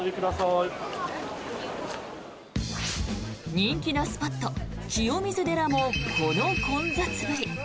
人気のスポット、清水寺もこの混雑ぶり。